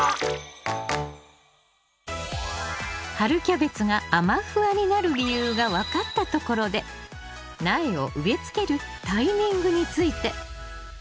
春キャベツがあま・フワになる理由が分かったところで苗を植え付けるタイミングについて。